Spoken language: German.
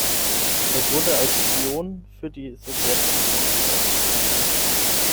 Er wurde als Spion für die Sowjetunion überführt.